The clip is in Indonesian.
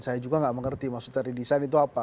saya juga nggak mengerti maksudnya didesain itu apa